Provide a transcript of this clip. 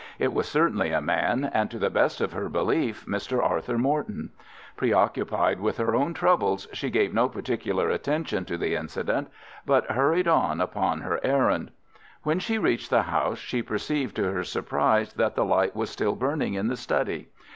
It was certainly a man, and to the best of her belief Mr. Arthur Morton. Preoccupied with her own troubles, she gave no particular attention to the incident, but hurried on upon her errand. When she reached the house she perceived to her surprise that the light was still burning in the study.